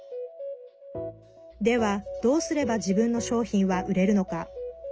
では、どうすれば自分の商品は売れるのか。